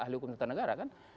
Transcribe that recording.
ahli hukum tata negara kan